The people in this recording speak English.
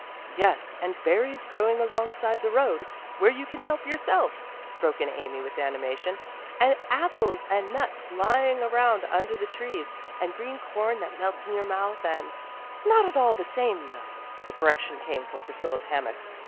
"Yes, and berries growing alongside the road, where you can help yourself," broke in Amy with animation. "And apples and nuts lying around under the trees, and green corn that melts in your mouth, and " "Not all at the same time, though." The correction came from Priscilla's hammock.